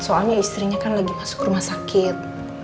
soalnya istrinya kan lagi masuk rumah sakit